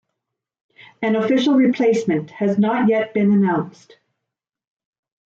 An official replacement has not yet been announced.